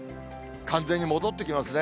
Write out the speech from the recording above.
完全に戻ってきますね。